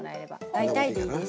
大体でいいです。